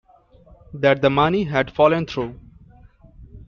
That the money had fallen through.